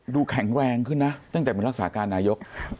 แข็งแรงขึ้นนะตั้งแต่เป็นรักษาการนายก